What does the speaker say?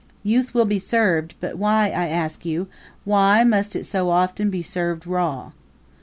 Youth will be served, but why, I ask you why must it so often be served raw?